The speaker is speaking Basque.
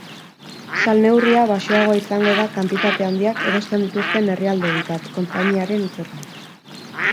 Salneurria baxuagoa izango da kantitate handiak erosten dituzten herrialdeentzat, konpainiaren hitzetan.